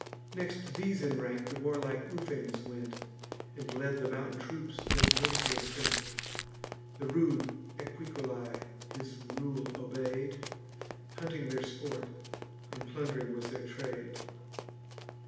Next these in rank, the warlike Ufens went, And led the mountain troops that Nursia sent. The rude Equicolae his rule obey'd; Hunting their sport, and plund'ring was their trade.